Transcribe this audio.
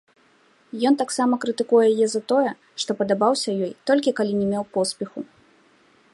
Ён таксама крытыкуе яе за тое, што падабаўся ёй, толькі калі не меў поспеху.